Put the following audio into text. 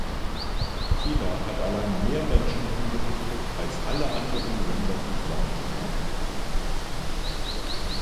China hat allein mehr Menschen hingerichtet als alle anderen Länder zusammengenommen.